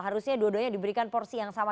harusnya dua duanya diberikan porsi yang sama